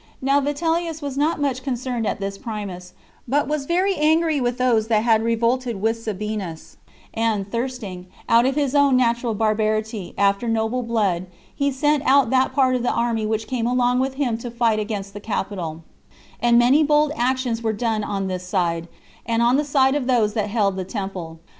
Now Vitellius was not much concerned at this Primus, but was very angry with those that had revolted with Sabinus; and thirsting, out of his own natural barbarity, after noble blood, he sent out that part of the army which came along with him to fight against the capitol; and many bold actions were done on this side, and on the side of those that held the temple.